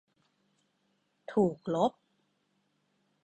ถูกลบ